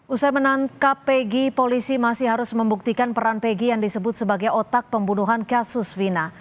usai menangkap pegi polisi masih harus membuktikan peran pegi yang disebut sebagai otak pembunuhan kasus vina